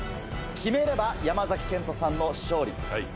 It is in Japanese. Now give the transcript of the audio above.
決めれば山賢人さんの勝利。